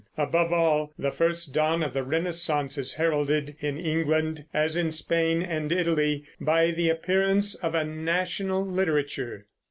Above all, the first dawn of the Renaissance is heralded in England, as in Spain and Italy, by the appearance of a national literature.